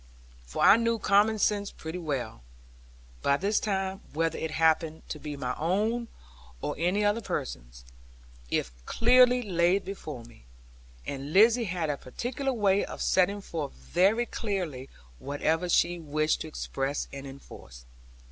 For I knew common sense pretty well, by this time, whether it happened to be my own, or any other person's, if clearly laid before me. And Lizzie had a particular way of setting forth very clearly whatever she wished to express and enforce.